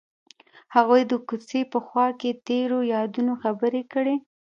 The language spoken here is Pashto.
هغوی د کوڅه په خوا کې تیرو یادونو خبرې کړې.